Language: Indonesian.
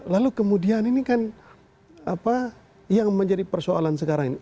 lalu kemudian ini kan yang menjadi persoalan sekarang ini